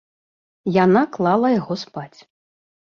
Яна клала яго спаць.